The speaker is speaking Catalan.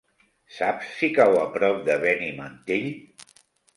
Saps si cau a prop de Benimantell?